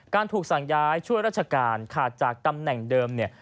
ถูกสั่งย้ายช่วยราชการขาดจากตำแหน่งเดิมเนี่ย